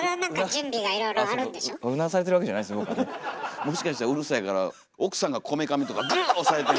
もしかしたらうるさいから奥さんがこめかみとかグーッ押さえてる。